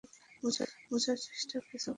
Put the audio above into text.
বুঝার চেষ্টা করো, আমরা কিছুই করতে পারব না।